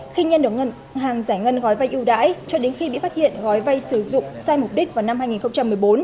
khi nhân hàng giải ngân gói vai ưu đãi cho đến khi bị phát hiện gói vay sử dụng sai mục đích vào năm hai nghìn một mươi bốn